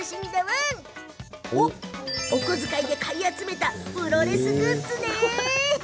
お小遣いで買い集めたプロレスグッズ。